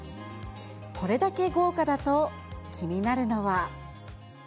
これだけ豪華だと気になるのは。